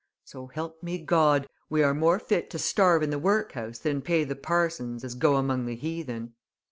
So help me God, we are more fit to starve in the workhouse than pay the parsons as go among the heathen."